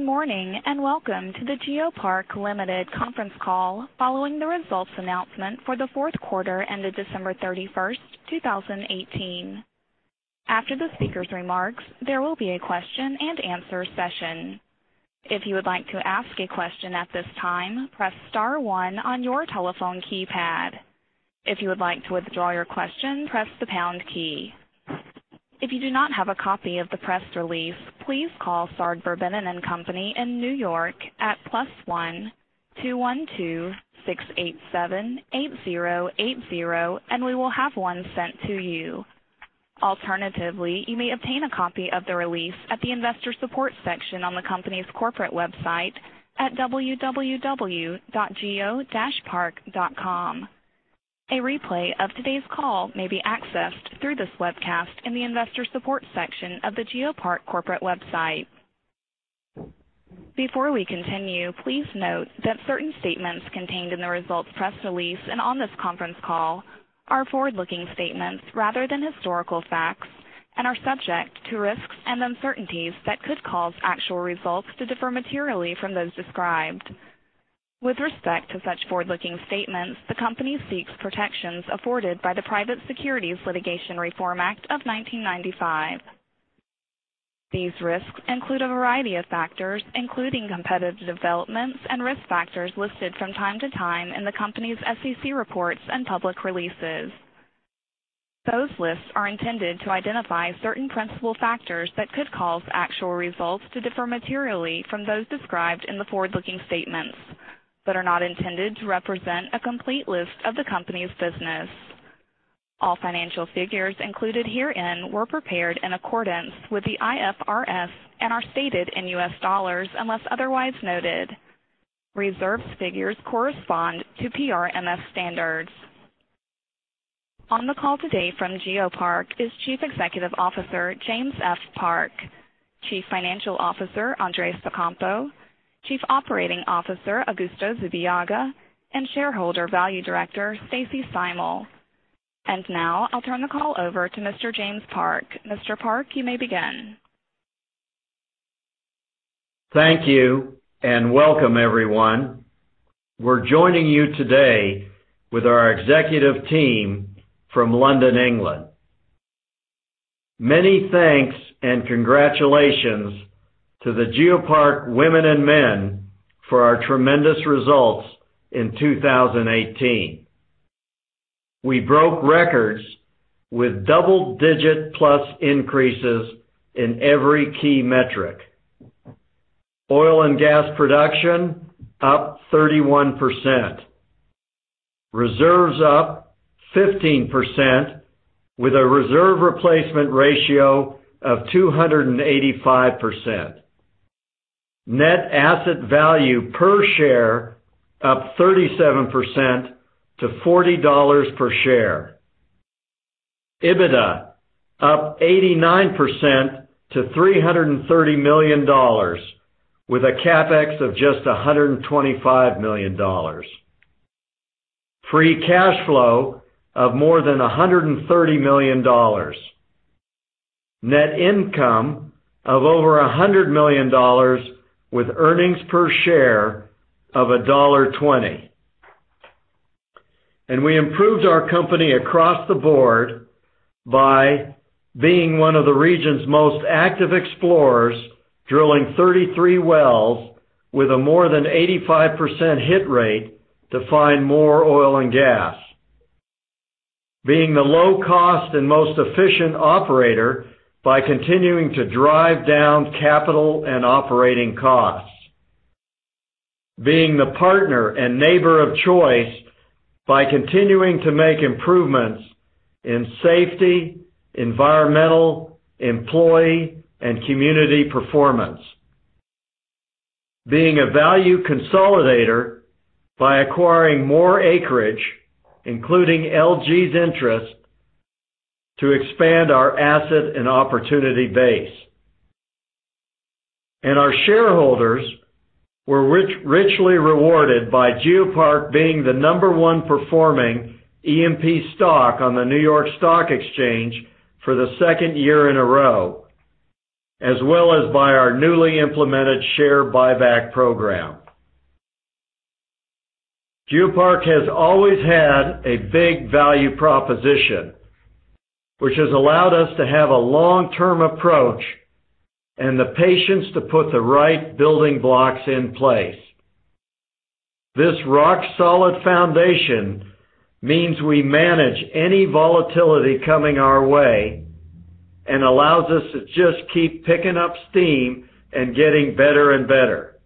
Good morning, welcome to the GeoPark Limited conference call, following the results announcement for the fourth quarter ended December 31st, 2018. After the speaker's remarks, there will be a question and answer session. If you would like to ask a question at this time, press star one on your telephone keypad. If you would like to withdraw your question, press the pound key. If you do not have a copy of the press release, please call Sard Verbinnen & Co in New York at +1-212-687-8080, and we will have one sent to you. Alternatively, you may obtain a copy of the release at the investor support section on the company's corporate website at www.geopark.com. A replay of today's call may be accessed through this webcast in the investor support section of the GeoPark corporate website. Before we continue, please note that certain statements contained in the results press release and on this conference call are forward-looking statements rather than historical facts and are subject to risks and uncertainties that could cause actual results to differ materially from those described. With respect to such forward-looking statements, the company seeks protections afforded by the Private Securities Litigation Reform Act of 1995. These risks include a variety of factors, including competitive developments and risk factors listed from time to time in the company's SEC reports and public releases. Those lists are intended to identify certain principal factors that could cause actual results to differ materially from those described in the forward-looking statements but are not intended to represent a complete list of the company's business. All financial figures included herein were prepared in accordance with the IFRS and are stated in US dollars unless otherwise noted. Reserves figures correspond to PRMS standards. On the call today from GeoPark is Chief Executive Officer, James F. Park, Chief Financial Officer, Andrés Ocampo, Chief Operating Officer, Augusto Zubillaga, and Shareholder Value Director, Stacy Steimel. Now I'll turn the call over to Mr. James Park. Mr. Park, you may begin. Thank you, and welcome, everyone. We're joining you today with our executive team from London, England. Many thanks and congratulations to the GeoPark women and men for our tremendous results in 2018. We broke records with double-digit plus increases in every key metric. Oil and gas production up 31%. Reserves up 15% with a reserve replacement ratio of 285%. Net asset value per share up 37% to $40 per share. EBITDA up 89% to $330 million with a CapEx of just $125 million. Free cash flow of more than $130 million. Net income of over $100 million with earnings per share of $1.20. We improved our company across the board by being one of the region's most active explorers, drilling 33 wells with a more than 85% hit rate to find more oil and gas. Being the low cost and most efficient operator by continuing to drive down capital and operating costs. Being the partner and neighbor of choice by continuing to make improvements in safety, environmental, employee, and community performance. Being a value consolidator by acquiring more acreage, including LG's interest, to expand our asset and opportunity base. Our shareholders were richly rewarded by GeoPark being the number one performing E&P stock on the New York Stock Exchange for the second year in a row, as well as by our newly implemented share buyback program. GeoPark has always had a big value proposition, which has allowed us to have a long-term approach and the patience to put the right building blocks in place. This rock-solid foundation means we manage any volatility coming our way and allows us to just keep picking up steam and getting better and better.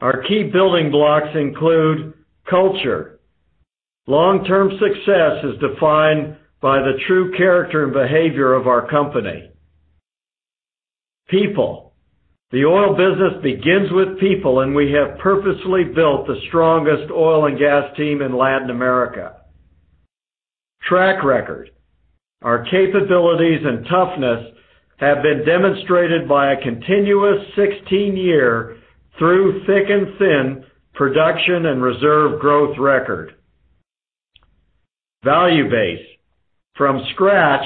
Our key building blocks include culture. Long-term success is defined by the true character and behavior of our company. People. The oil business begins with people, and we have purposely built the strongest oil and gas team in Latin America. Track record. Our capabilities and toughness have been demonstrated by a continuous 16-year, through thick and thin, production and reserve growth record. Value base. From scratch,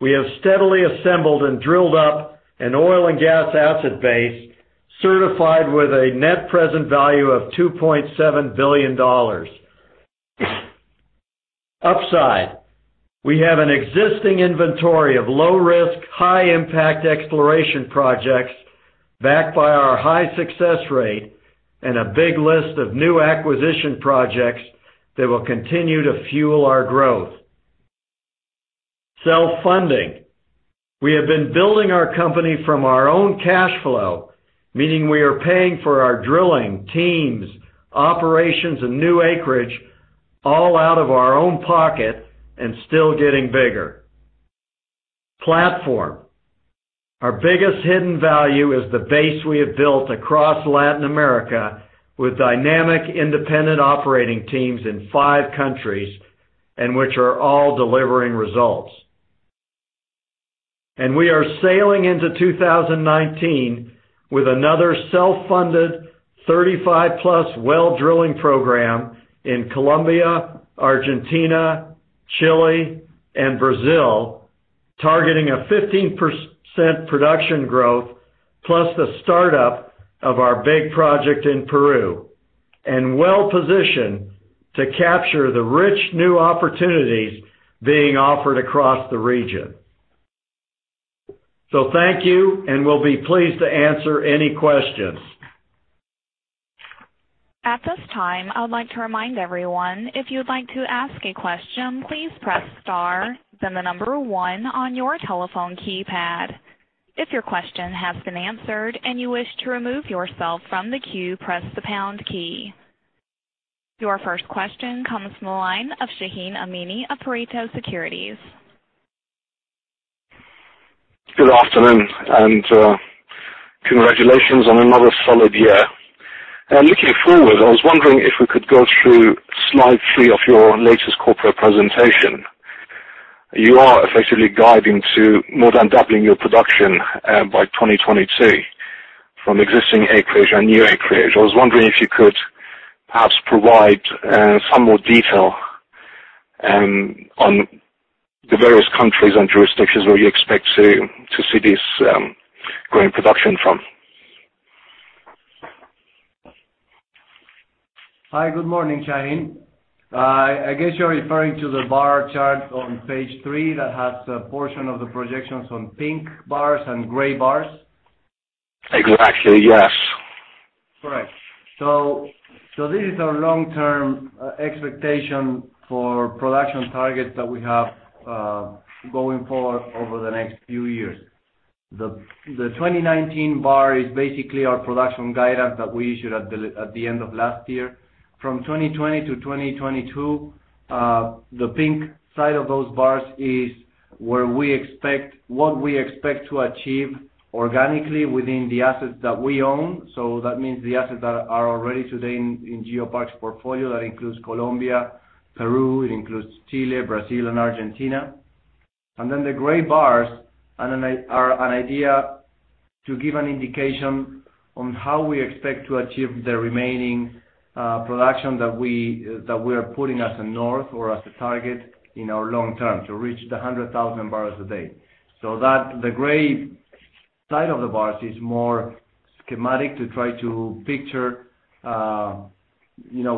we have steadily assembled and drilled up an oil and gas asset base certified with a net present value of $2.7 billion. Upside. We have an existing inventory of low-risk, high-impact exploration projects backed by our high success rate and a big list of new acquisition projects that will continue to fuel our growth. Self-funding. We have been building our company from our own cash flow, meaning we are paying for our drilling, teams, operations, and new acreage all out of our own pocket and still getting bigger. Platform. Our biggest hidden value is the base we have built across Latin America with dynamic, independent operating teams in five countries, and which are all delivering results. We are sailing into 2019 with another self-funded 35-plus well drilling program in Colombia, Argentina, Chile, and Brazil, targeting a 15% production growth, plus the startup of our big project in Peru, and well-positioned to capture the rich new opportunities being offered across the region. Thank you, and we'll be pleased to answer any questions. At this time, I would like to remind everyone, if you would like to ask a question, please press star, then the number one on your telephone keypad. If your question has been answered and you wish to remove yourself from the queue, press the pound key. Your first question comes from the line of Shahin Amini of Pareto Securities. Good afternoon, Congratulations on another solid year. Looking forward, I was wondering if we could go through slide three of your latest corporate presentation. You are effectively guiding to more than doubling your production by 2022 from existing acreage and new acreage. I was wondering if you could perhaps provide some more detail on the various countries and jurisdictions where you expect to see this growing production from. Hi, good morning, Shahin. I guess you're referring to the bar chart on page three that has a portion of the projections on pink bars and gray bars? Exactly, yes. Correct. This is our long-term expectation for production targets that we have going forward over the next few years. The 2019 bar is basically our production guidance that we issued at the end of last year. From 2020 to 2022, the pink side of those bars is what we expect to achieve organically within the assets that we own. That means the assets that are already today in GeoPark's portfolio. That includes Colombia, Peru. It includes Chile, Brazil, and Argentina. The gray bars are an idea to give an indication on how we expect to achieve the remaining production that we are putting as a north or as a target in our long term, to reach the 100,000 barrels a day. The gray side of the bars is more schematic to try to picture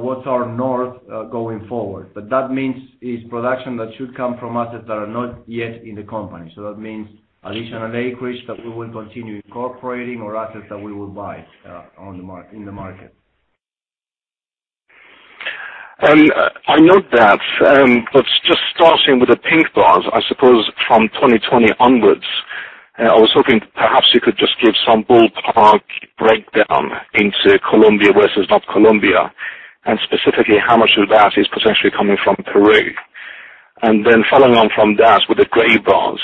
what's our north going forward. That means it's production that should come from assets that are not yet in the company. That means additional acreage that we will continue incorporating or assets that we will buy in the market. I note that. Just starting with the pink bars, I suppose from 2020 onwards, I was hoping perhaps you could just give some ballpark breakdown into Colombia versus not Colombia, and specifically how much of that is potentially coming from Peru. Following on from that, with the gray bars,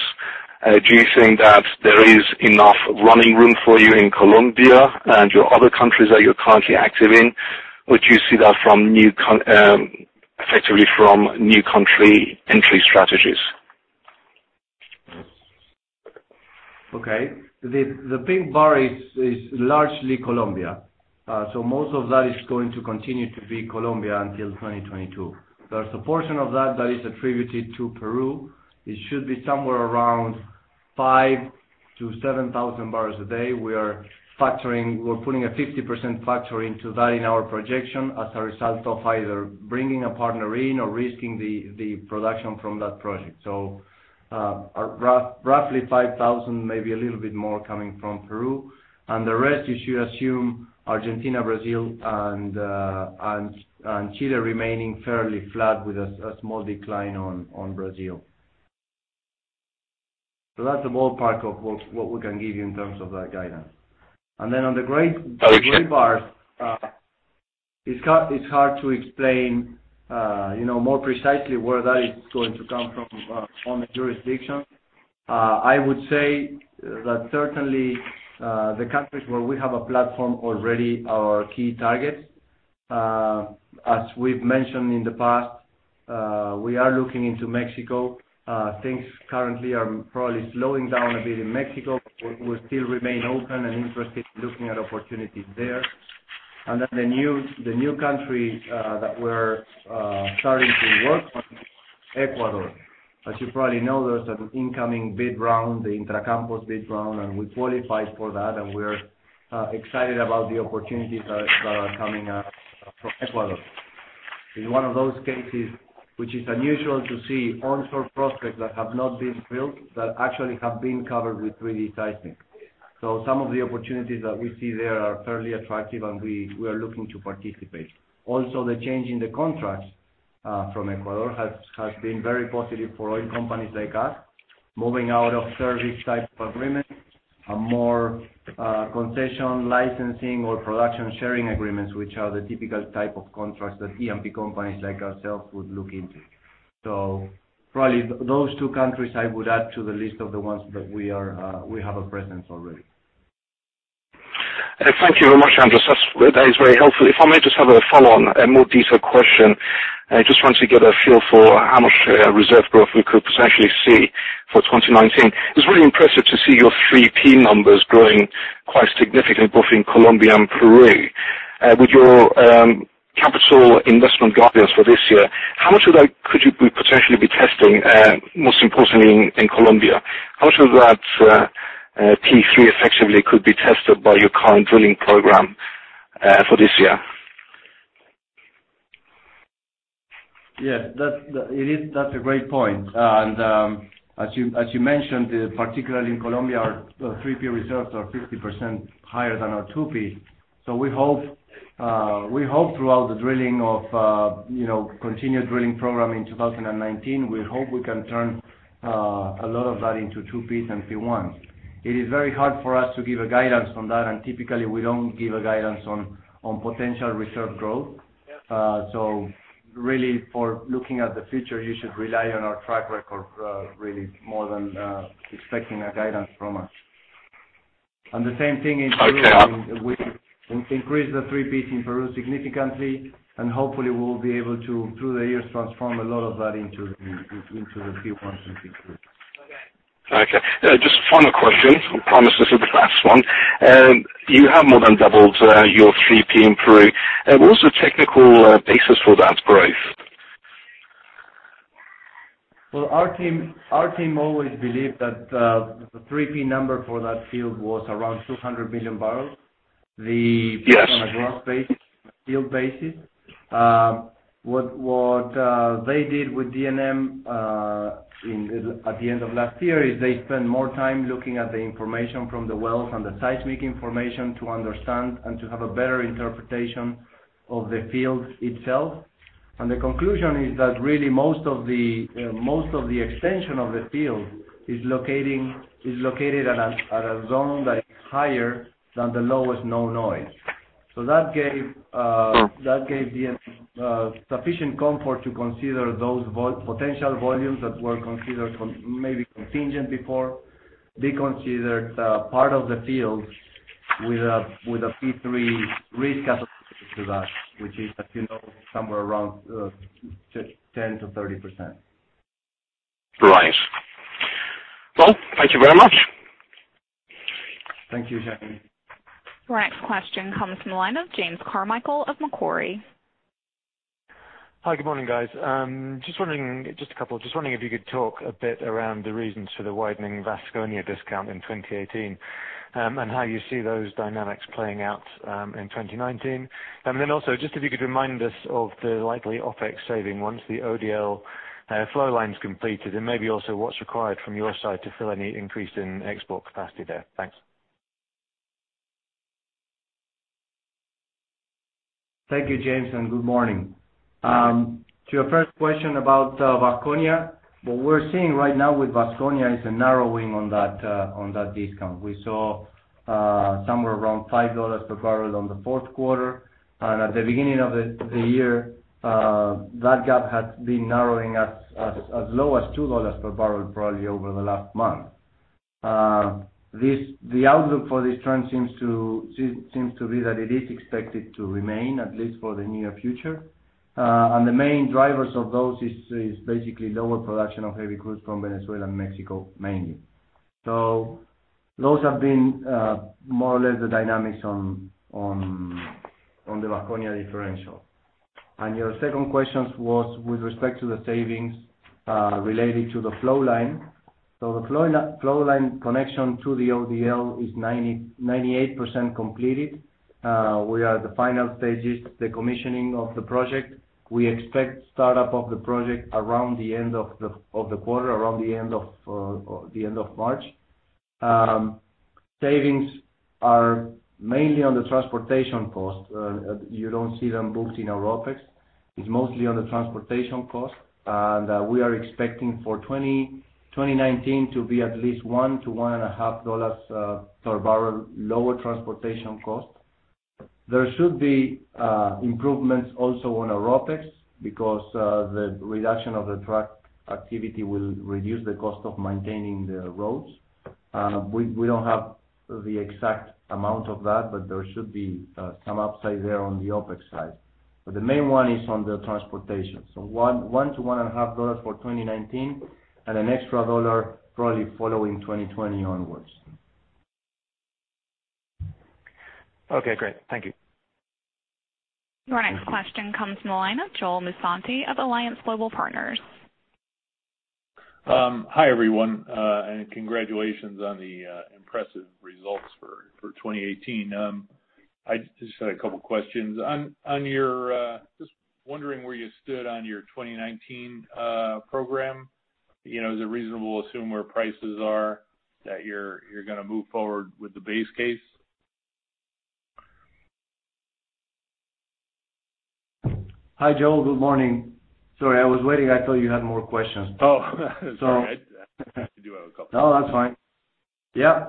do you think that there is enough running room for you in Colombia and your other countries that you're currently active in? Would you see that effectively from new country entry strategies? Okay. The pink bar is largely Colombia. Most of that is going to continue to be Colombia until 2022. There's a portion of that that is attributed to Peru. It should be somewhere around 5,000 to 7,000 barrels a day. We're putting a 50% factor into that in our projection as a result of either bringing a partner in or risking the production from that project. Roughly 5,000, maybe a little bit more coming from Peru. The rest, you should assume Argentina, Brazil, and Chile remaining fairly flat with a small decline on Brazil. That's a ballpark of what we can give you in terms of that guidance. On the gray bars, it's hard to explain more precisely where that is going to come from on the jurisdiction. I would say that certainly, the countries where we have a platform already are our key targets. We've mentioned in the past, we are looking into Mexico. Things currently are probably slowing down a bit in Mexico, but we still remain open and interested in looking at opportunities there. The new country that we're starting to work on, Ecuador. As you probably know, there's an incoming bid round, the Intracampos bid round, and we qualified for that, and we're excited about the opportunities that are coming up from Ecuador. It's one of those cases, which is unusual to see onshore prospects that have not been drilled, that actually have been covered with 3D seismic. Some of the opportunities that we see there are fairly attractive, and we are looking to participate. The change in the contracts from Ecuador has been very positive for oil companies like us, moving out of service-type agreements. A more concession licensing or production sharing agreements, which are the typical type of contracts that E&P companies like ourselves would look into. Probably those two countries I would add to the list of the ones that we have a presence already. Thank you very much, Andres. That is very helpful. If I may just have a follow-on, a more detailed question. I just want to get a feel for how much reserve growth we could potentially see for 2019. It's really impressive to see your 3P numbers growing quite significantly, both in Colombia and Peru. With your capital investment guidance for this year, how much of that could you potentially be testing, most importantly in Colombia? How much of that P3 effectively could be tested by your current drilling program for this year? Yeah, that's a great point. As you mentioned, particularly in Colombia, our 3P reserves are 50% higher than our 2P. We hope throughout the continued drilling program in 2019, we hope we can turn a lot of that into 2Ps and P1. It is very hard for us to give a guidance on that, and typically, we don't give a guidance on potential reserve growth. Really, for looking at the future, you should rely on our track record really more than expecting a guidance from us. The same thing in Peru- Okay we increased the 3P in Peru significantly. Hopefully we'll be able to, through the years, transform a lot of that into the P1s and P2s. Okay. Just final question. I promise this is the last one. You have more than doubled your 3P in Peru. What was the technical basis for that growth? Well, our team always believed that the 3P number for that field was around 200 million barrels. Yes. The gross basis, field basis. What they did with D&M at the end of last year is they spent more time looking at the information from the wells and the seismic information to understand and to have a better interpretation of the field itself. The conclusion is that really most of the extension of the field is located at a zone that is higher than the lowest known oil. That gave sufficient comfort to consider those potential volumes that were considered maybe contingent before. They considered part of the field with a P3 risk associated to that, which is, as you know, somewhere around 10%-30%. Right. Well, thank you very much. Thank you, Shahin. Our next question comes from the line of James Carmichael of Macquarie. Hi, good morning, guys. Just a couple. Just wondering if you could talk a bit around the reasons for the widening Vasconia discount in 2018, and how you see those dynamics playing out in 2019. Then also, just if you could remind us of the likely OPEX saving once the ODL flow line's completed, and maybe also what's required from your side to fill any increase in export capacity there. Thanks. Thank you, James, and good morning. Vasconia, what we're seeing right now with Vasconia is a narrowing on that discount. We saw somewhere around $5 per barrel on the fourth quarter. At the beginning of the year, that gap had been narrowing as low as $2 per barrel, probably over the last month. The outlook for this trend seems to be that it is expected to remain at least for the near future. The main drivers of those is basically lower production of heavy crudes from Venezuela and Mexico, mainly. Those have been more or less the dynamics on the Vasconia differential. Your second question was with respect to the savings related to the flow line. The flow line connection to the ODL is 98% completed. We are at the final stages, the commissioning of the project. We expect startup of the project around the end of the quarter, around the end of March. Savings are mainly on the transportation cost. You don't see them booked in our OPEX. It's mostly on the transportation cost, and we are expecting for 2019 to be at least $1-$1.5 per barrel lower transportation cost. There should be improvements also on our OPEX because the reduction of the truck activity will reduce the cost of maintaining the roads. We don't have the exact amount of that, but there should be some upside there on the OPEX side. The main one is on the transportation. $1-$1.5 for 2019, and an extra dollar probably following 2020 onwards. Okay, great. Thank you. Your next question comes from the line of Joel Musante of Alliance Global Partners. Hi, everyone. Congratulations on the impressive results for 2018. I just had a couple of questions. Just wondering where you stood on your 2019 program. Is it reasonable to assume where prices are that you're going to move forward with the base case? Hi, Joel. Good morning. Sorry, I was waiting. I thought you had more questions. Oh. It's okay. I do have a couple. No, that's fine. Yeah.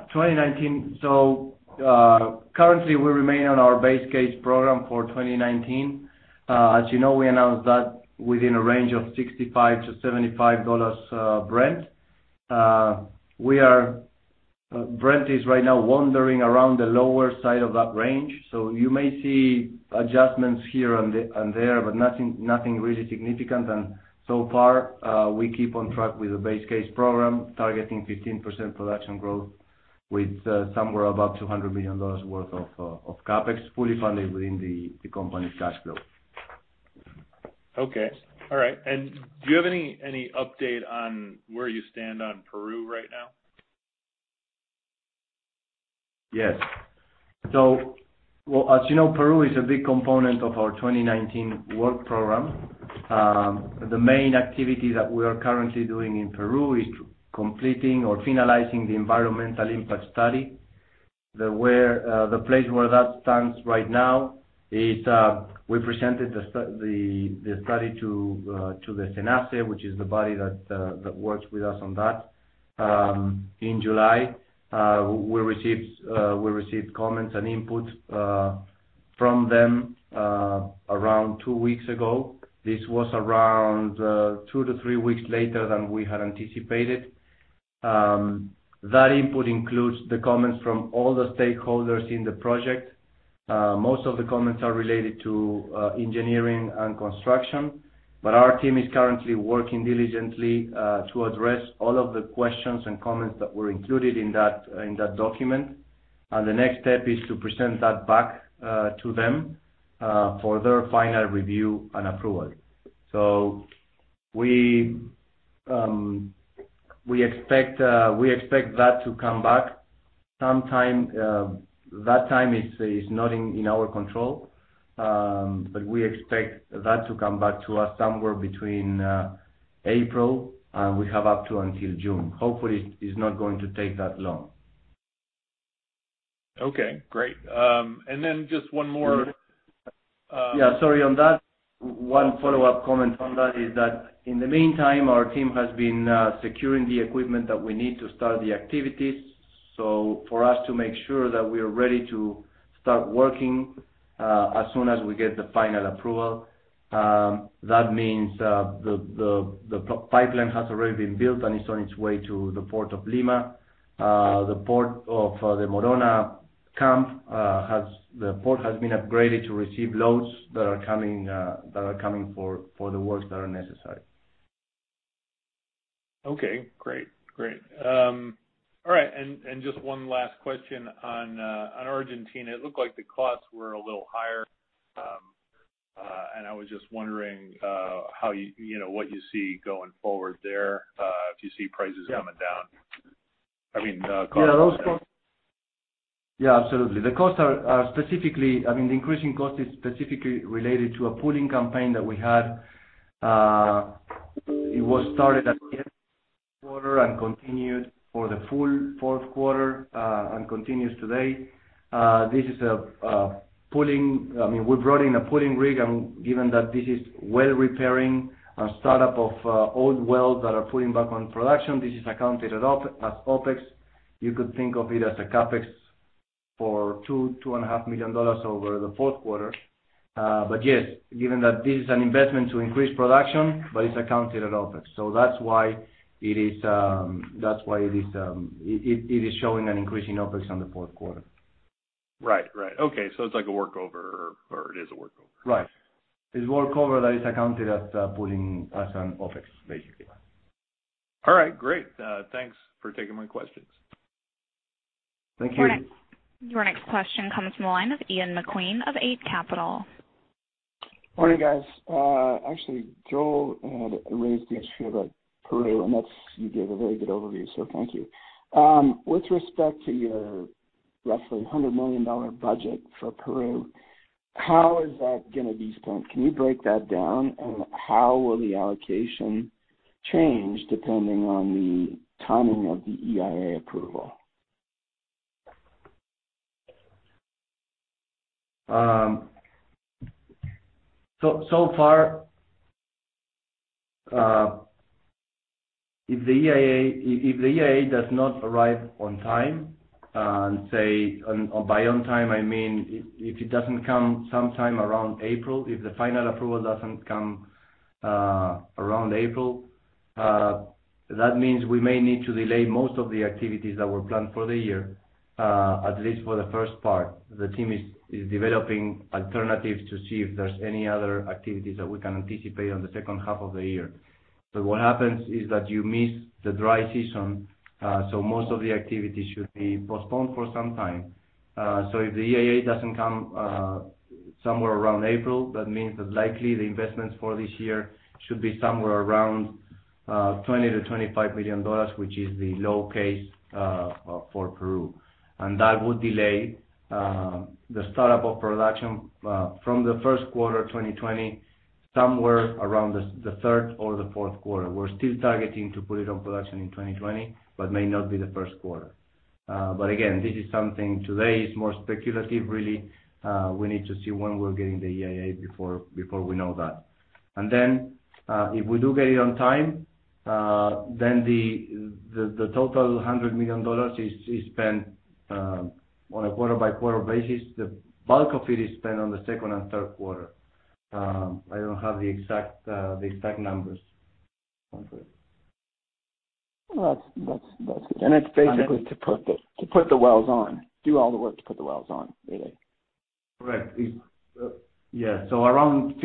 Currently we remain on our base case program for 2019. As you know, we announced that within a range of $65-$75 Brent. Brent is right now wandering around the lower side of that range. You may see adjustments here and there, but nothing really significant. So far, we keep on track with the base case program, targeting 15% production growth with somewhere about $200 million worth of CapEx, fully funded within the company's cash flow. Okay. All right. Do you have any update on where you stand on Peru right now? Yes. As you know, Peru is a big component of our 2019 work program. The main activity that we are currently doing in Peru is completing or finalizing the environmental impact study. The place where that stands right now is we presented the study to the SENACE, which is the body that works with us on that, in July. We received comments and input from them around two weeks ago. This was around two to three weeks later than we had anticipated. That input includes the comments from all the stakeholders in the project. Most of the comments are related to engineering and construction, but our team is currently working diligently to address all of the questions and comments that were included in that document. The next step is to present that back to them for their final review and approval. We expect that to come back sometime. That time is not in our control, but we expect that to come back to us somewhere between April, and we have up to until June. Hopefully, it is not going to take that long. Okay, great. Just one more. Yeah, sorry. On that, one follow-up comment on that is that in the meantime, our team has been securing the equipment that we need to start the activities. For us to make sure that we are ready to start working as soon as we get the final approval. That means the pipeline has already been built, and it's on its way to the Port of Lima. The Morona camp, the port has been upgraded to receive loads that are coming for the works that are necessary. Okay, great. All right, just one last question on Argentina. It looked like the costs were a little higher, and I was just wondering what you see going forward there. If you see prices coming down. I mean, costs Yeah, absolutely. The increasing cost is specifically related to a pulling campaign that we had. It was started at the end of the quarter, and continued for the full fourth quarter, and continues today. We brought in a pulling rig, and given that this is well repairing and startup of old wells that are pulling back on production, this is accounted as OPEX. You could think of it as a CapEx for $2 million, $2.5 million over the fourth quarter. Yes, given that this is an investment to increase production, but it's accounted at OPEX. That's why it is showing an increase in OPEX on the fourth quarter. Right. Okay. It's like a workover, or it is a workover. Right. It's workover that is accounted as an OPEX, basically. All right, great. Thanks for taking my questions. Thank you. Your next question comes from the line of Ian Macqueen of Eight Capital. Morning, guys. Actually, Joel had raised the issue about Peru, and you gave a very good overview, so thank you. With respect to your roughly $100 million budget for Peru, how is that going to be spent? Can you break that down? How will the allocation change depending on the timing of the EIA approval? If the EIA does not arrive on time, and by on time, I mean if it doesn't come sometime around April, if the final approval doesn't come around April, that means we may need to delay most of the activities that were planned for the year, at least for the first part. The team is developing alternatives to see if there's any other activities that we can anticipate on the second half of the year. What happens is that you miss the dry season, most of the activities should be postponed for some time. If the EIA doesn't come somewhere around April, that means that likely the investments for this year should be somewhere around $20 million-$25 million, which is the low case for Peru. That would delay the startup of production from the first quarter 2020, somewhere around the third or the fourth quarter. We're still targeting to put it on production in 2020, may not be the first quarter. Again, this is something today is more speculative, really. We need to see when we're getting the EIA before we know that. If we do get it on time, the total $100 million is spent on a quarter-by-quarter basis. The bulk of it is spent on the second and third quarter. I don't have the exact numbers. That's it. It's basically to put the wells on, do all the work to put the wells on, really. Correct. Yes. Around 50%-60%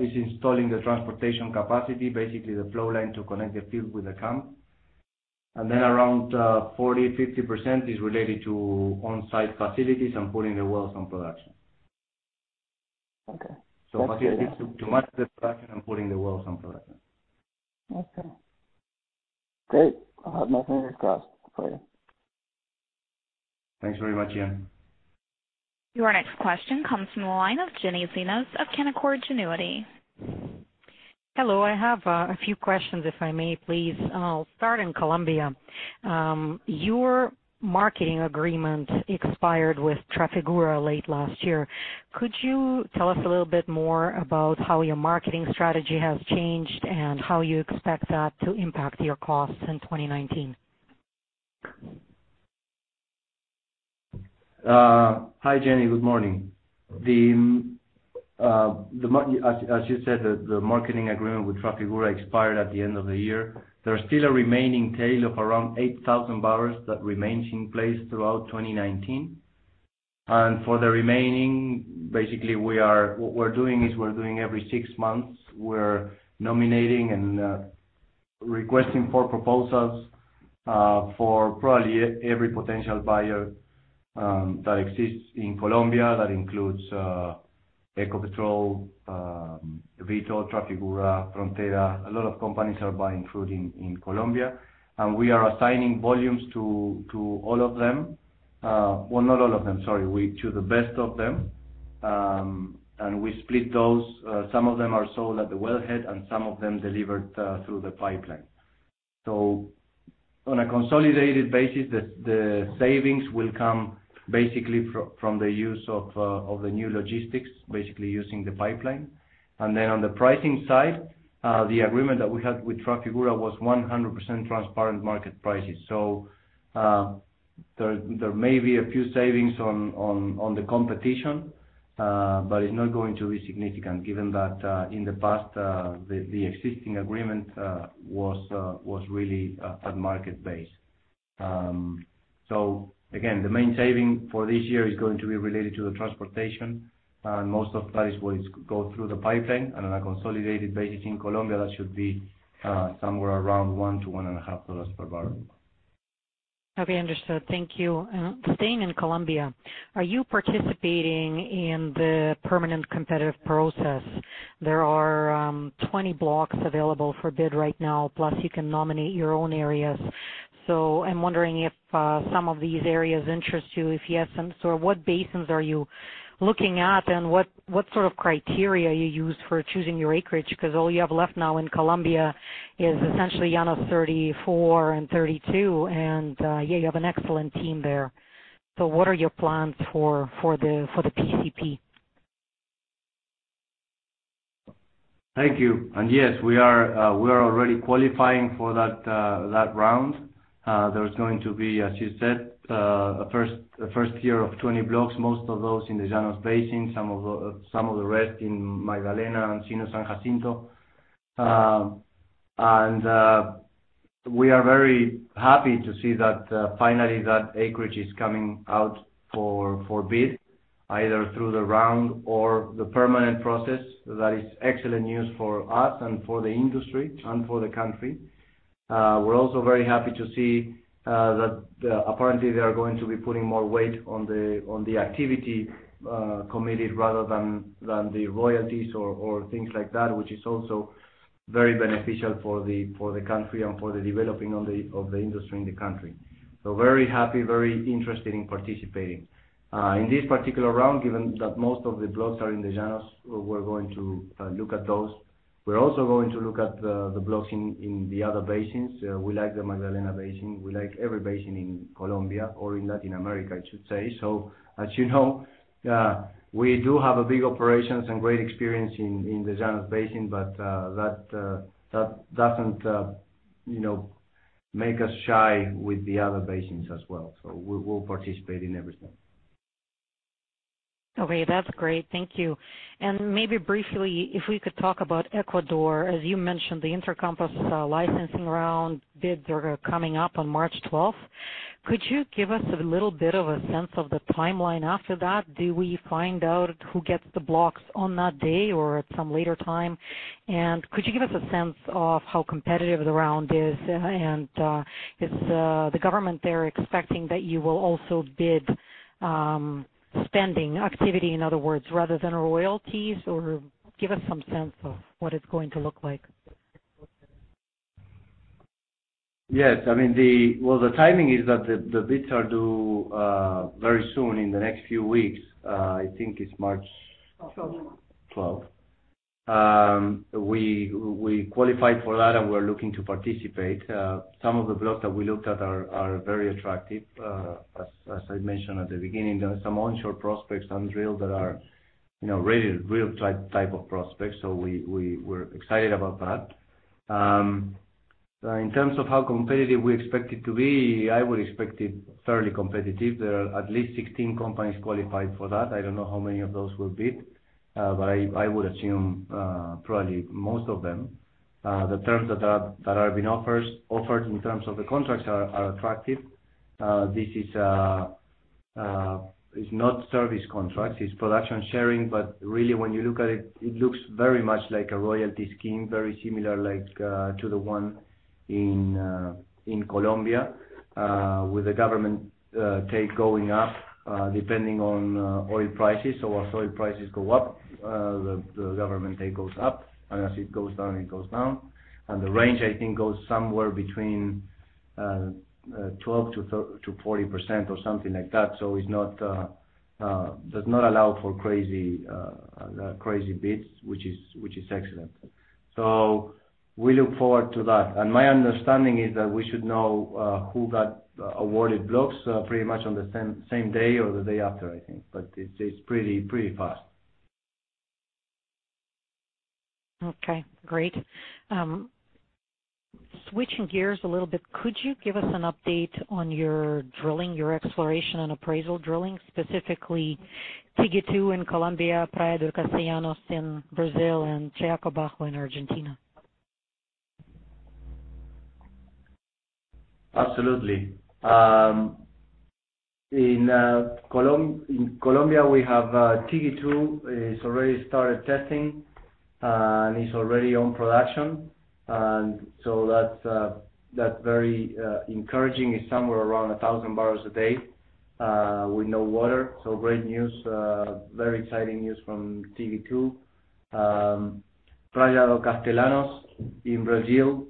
is installing the transportation capacity, basically the flow line to connect the field with the camp. Then around 40%-50% is related to on-site facilities and putting the wells on production. Okay. Basically, it's to match the production and putting the wells on production. Okay. Great. I'll have my fingers crossed for you. Thanks very much, Ian. Your next question comes from the line of Jenny Xenos of Canaccord Genuity. Hello. I have a few questions, if I may, please. I'll start in Colombia. Your marketing agreement expired with Trafigura late last year. Could you tell us a little bit more about how your marketing strategy has changed and how you expect that to impact your costs in 2019? Hi, Jenny. Good morning. As you said, the marketing agreement with Trafigura expired at the end of the year. There's still a remaining tail of around 8,000 barrels that remains in place throughout 2019. For the remaining, basically what we're doing is we're doing every six months, we're nominating and requesting for proposals for probably every potential buyer that exists in Colombia. That includes Ecopetrol, Vitol, Trafigura, Frontera. A lot of companies are buying crude oil in Colombia, and we are assigning volumes to all of them. Well, not all of them, sorry. To the best of them, and we split those. Some of them are sold at the wellhead, and some of them delivered through the pipeline. On a consolidated basis, the savings will come basically from the use of the new logistics, basically using the pipeline. On the pricing side, the agreement that we had with Trafigura was 100% transparent market prices. There may be a few savings on the competition, but it's not going to be significant given that in the past, the existing agreement was really at market-based. Again, the main saving for this year is going to be related to the transportation, and most of that is what go through the pipeline. On a consolidated basis in Colombia, that should be somewhere around $1-$1.5 per barrel. Copy, understood. Thank you. Staying in Colombia, are you participating in the Permanent Competitive Process? There are 20 blocks available for bid right now, plus you can nominate your own areas. I'm wondering if some of these areas interest you, if you have some. What basins are you looking at, and what sort of criteria you use for choosing your acreage? Because all you have left now in Colombia is essentially Llanos 34 and 32, and you have an excellent team there. What are your plans for the PCP? Thank you. Yes, we are already qualifying for that round. There is going to be, as you said, a first year of 20 blocks, most of those in the Llanos Basin, some of the rest in Magdalena and Sinú-San Jacinto. We are very happy to see that finally that acreage is coming out for bid, either through the round or the Permanent Process. That is excellent news for us and for the industry and for the country. We're also very happy to see that apparently they are going to be putting more weight on the activity committed rather than the royalties or things like that, which is also very beneficial for the country and for the developing of the industry in the country. Very happy, very interested in participating. In this particular round, given that most of the blocks are in the Llanos, we're going to look at those. We're also going to look at the blocks in the other basins. We like the Magdalena Basin. We like every basin in Colombia or in Latin America, I should say. As you know, we do have a big operations and great experience in the Llanos Basin, but that doesn't make us shy with the other basins as well. We'll participate in everything. Okay, that's great. Thank you. Maybe briefly, if we could talk about Ecuador, as you mentioned, the Intracampos licensing round bids are coming up on March 12th. Could you give us a little bit of a sense of the timeline after that? Do we find out who gets the blocks on that day or at some later time? Could you give us a sense of how competitive the round is? Is the government there expecting that you will also bid spending activity, in other words, rather than royalties? Give us some sense of what it's going to look like. Yes. Well, the timing is that the bids are due very soon, in the next few weeks. I think it's March- 12th. We qualified for that, we're looking to participate. Some of the blocks that we looked at are very attractive. As I mentioned at the beginning, there are some onshore prospects undrilled that are really real type of prospects, so we're excited about that. In terms of how competitive we expect it to be, I would expect it fairly competitive. There are at least 16 companies qualified for that. I don't know how many of those will bid. I would assume probably most of them. The terms that are being offered in terms of the contracts are attractive. This is not service contracts, it's production sharing, but really when you look at it looks very much like a royalty scheme, very similar to the one in Colombia, with the government take going up, depending on oil prices. As oil prices go up, the government take goes up, as it goes down, it goes down. The range, I think, goes somewhere between 12%-40% or something like that. Does not allow for crazy bids, which is excellent. We look forward to that. My understanding is that we should know who got awarded blocks pretty much on the same day or the day after, I think. It's pretty fast. Okay, great. Switching gears a little bit, could you give us an update on your drilling, your exploration, and appraisal drilling, specifically Tigre 2 in Colombia, Praia de Castelhanos in Brazil, and Chachaco Bajo in Argentina? Absolutely. In Colombia, we have Tigre 2, it's already started testing, and it's already on production. That's very encouraging. It's somewhere around 1,000 barrels a day with no water. Great news, very exciting news from Tigre 2. Praia de Castelhanos in Brazil,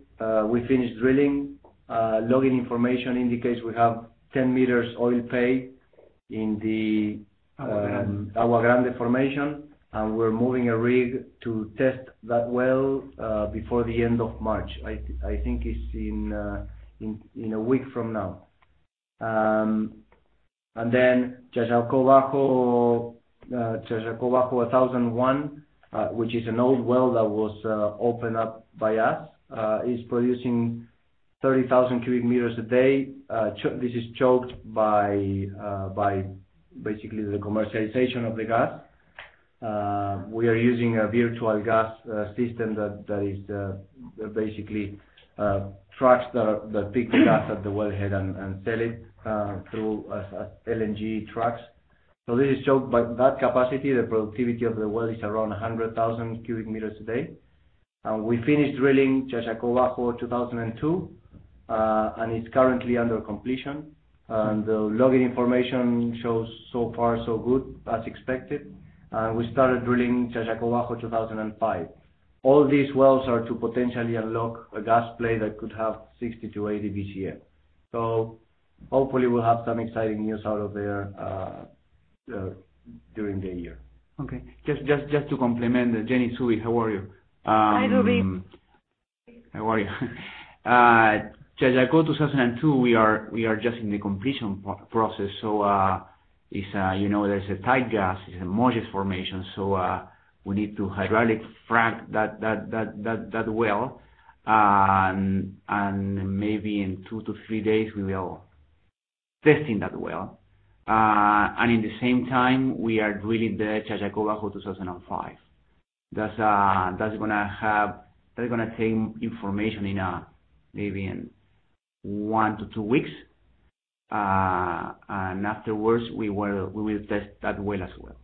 we finished drilling. Logging information indicates we have 10 meters oil pay in the. Agua Grande. Agua Grande formation, we're moving a rig to test that well before the end of March. I think it's in a week from now. Chachaco Bajo-1001, which is an old well that was opened up by us, is producing 30,000 cubic meters a day. This is choked by basically the commercialization of the gas. We are using a virtual pipeline system that is basically trucks that pick the gas at the wellhead and sell it through LNG trucks. This is choked by that capacity. The productivity of the well is around 100,000 cu meters a day. We finished drilling Chachaco Bajo-2002, and it's currently under completion. The logging information shows so far so good, as expected. We started drilling Chachaco Bajo 2005. All these wells are to potentially unlock a gas play that could have 60 to 80 Bcf. Hopefully we'll have some exciting news out of there during the year. Okay. Just to complement, Jenny Xeno, how are you? Hi, Augusto. How are you? Chachaco Bajo-2002, we are just in the completion process, so there's a tight gas. It's a Mulichinco Formation, so we need to hydraulic frac that well, and maybe in two to three days we will be testing that well. In the same time, we are drilling the Chachaco Bajo-2005. That's going to take information maybe in one to two weeks, and afterwards we will test that well as well.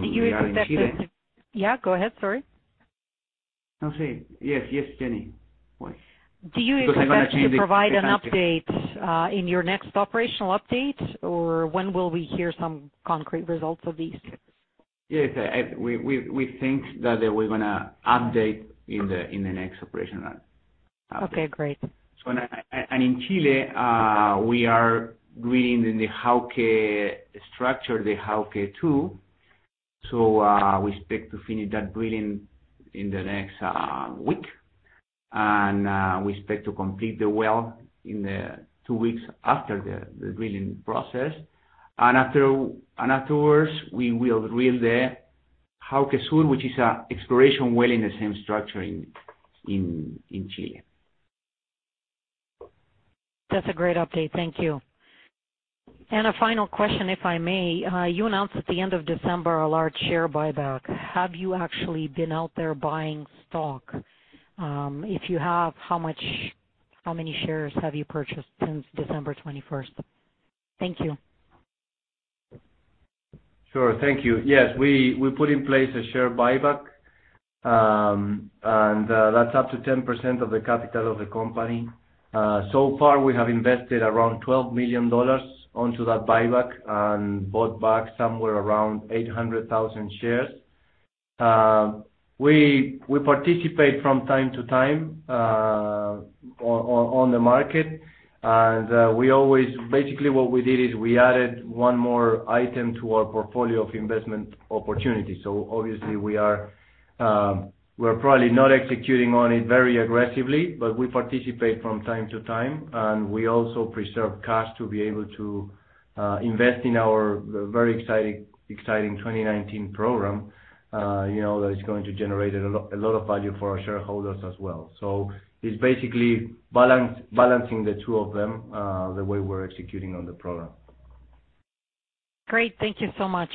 We are in Chile. Yeah, go ahead, sorry. Okay. Yes, Jenny. Do you expect to provide an update in your next operational update, or when will we hear some concrete results of these? Yes. We think that we're going to update in the next operational update. Okay, great. In Chile, we are drilling in the Jauke structure, the Jauke 2. We expect to finish that drilling in the next week. We expect to complete the well in the two weeks after the drilling process. Afterwards, we will drill the Jauke Sur, which is an exploration well in the same structure in Chile. That's a great update. Thank you. A final question, if I may. You announced at the end of December a large share buyback. Have you actually been out there buying stock? If you have, how many shares have you purchased since December 21st? Thank you. Sure. Thank you. Yes, we put in place a share buyback, that's up to 10% of the capital of the company. Far, we have invested around $12 million onto that buyback and bought back somewhere around 800,000 shares. We participate from time to time on the market. Basically, what we did is we added one more item to our portfolio of investment opportunities. Obviously, we're probably not executing on it very aggressively, but we participate from time to time, we also preserve cash to be able to invest in our very exciting 2019 program that is going to generate a lot of value for our shareholders as well. It's basically balancing the two of them, the way we're executing on the program. Great. Thank you so much.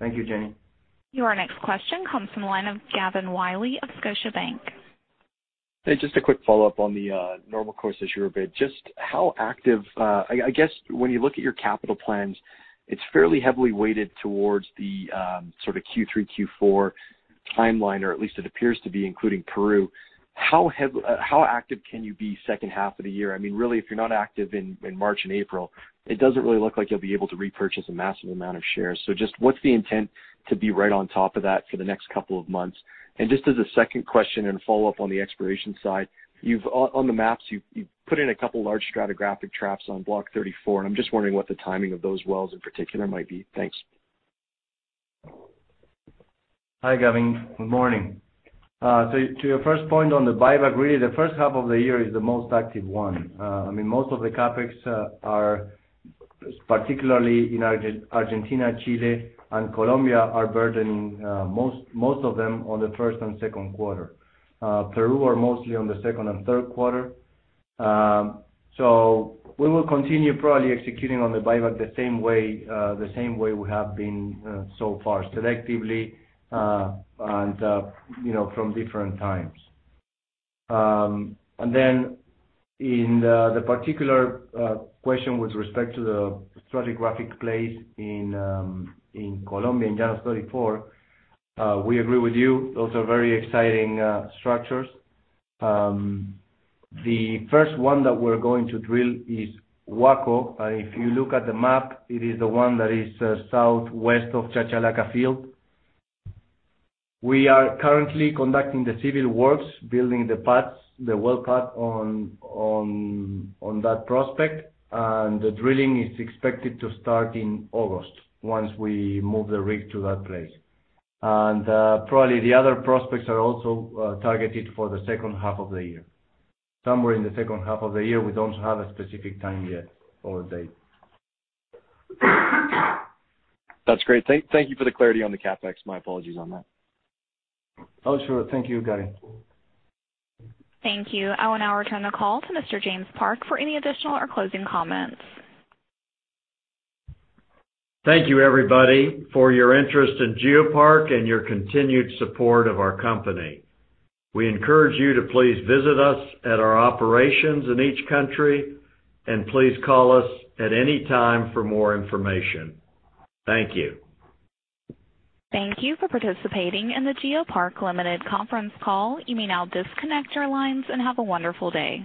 Thank you, Jenny. Your next question comes from the line of Gavin Wylie of Scotiabank. Hey, just a quick follow-up on the normal course issuer bid. I guess, when you look at your capital plans, it's fairly heavily weighted towards the sort of Q3, Q4 timeline, or at least it appears to be, including Peru. How active can you be second half of the year? If you're not active in March and April, it doesn't really look like you'll be able to repurchase a massive amount of shares. Just what's the intent to be right on top of that for the next couple of months? Just as a second question and follow-up on the exploration side, on the maps, you've put in a couple large stratigraphic traps on Block 34, and I'm just wondering what the timing of those wells in particular might be. Thanks. Hi, Gavin. Good morning. To your first point on the buyback, really, the first half of the year is the most active one. Most of the CapEx, particularly in Argentina, Chile, and Colombia, are burdening, most of them, on the first and second quarter. Peru are mostly on the second and third quarter. We will continue probably executing on the buyback the same way we have been so far, selectively and from different times. Then in the particular question with respect to the stratigraphic plays in Colombia, in Llanos 34, we agree with you. Those are very exciting structures. The first one that we're going to drill is Guaco. If you look at the map, it is the one that is southwest of Chachalaca field. We are currently conducting the civil works, building the well pad on that prospect. The drilling is expected to start in August once we move the rig to that place. Probably the other prospects are also targeted for the second half of the year. Somewhere in the second half of the year. We don't have a specific time yet or date. That's great. Thank you for the clarity on the CapEx. My apologies on that. Oh, sure. Thank you, Gavin. Thank you. I will now return the call to Mr. James Park for any additional or closing comments. Thank you, everybody, for your interest in GeoPark and your continued support of our company. We encourage you to please visit us at our operations in each country, and please call us at any time for more information. Thank you. Thank you for participating in the GeoPark Limited conference call. You may now disconnect your lines, and have a wonderful day.